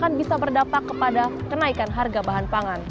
akan bisa berdampak kepada kenaikan harga bahan pangan